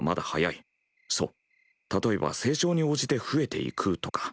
そう例えば成長に応じて増えていくとか。